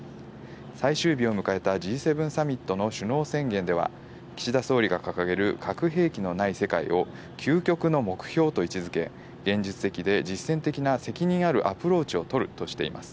最終日を迎えたＧ７サミットの首脳宣言では、岸田総理が掲げる核兵器のない世界を究極の目標と位置付け、連日、実践的な責任あるアプローチをとるとしています。